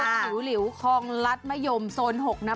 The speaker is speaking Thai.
ครัวจิ๋วหลิวคลองรัฐมะยมโซน๖นะ